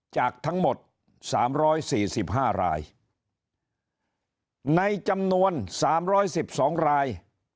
จากทั้งหมด๓๔๕รายในจำนวน๓๑๒ราย